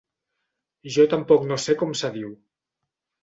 Jo tampoc no sé com se diu.